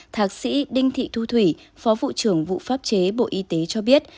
thạc sĩ đinh thị thu thủy phó vụ trưởng vụ pháp chế bộ y tế cho biết